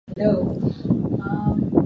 likipungua katikati ya asubuhi hadi saa tatu